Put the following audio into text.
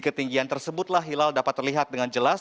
ketinggian tersebutlah hilal dapat terlihat dengan jelas